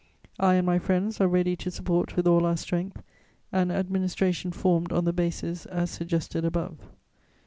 "I and my friends are ready to support with all our strength an administration formed on the bases as suggested above.